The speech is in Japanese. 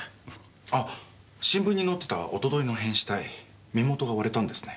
あ新聞に載ってたおとといの変死体身元が割れたんですね。